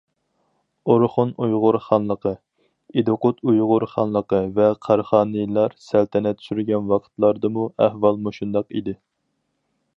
ئورخۇن ئۇيغۇر خانلىقى، ئىدىقۇت ئۇيغۇر خانلىقى ۋە قاراخانىيلار سەلتەنەت سۈرگەن ۋاقىتلاردىمۇ ئەھۋال مۇشۇنداق ئىدى.